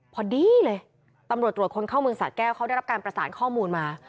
พอดีเลยตำรวจตรวจคนเข้าเมืองสะแก้วเขาได้รับการประสานข้อมูลมา